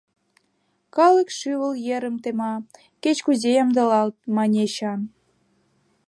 — Калык шӱвыл ерым тема, кеч-кузе ямдылалт, — мане Эчан.